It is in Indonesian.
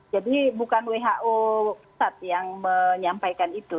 jadi bukan who yang menyampaikan itu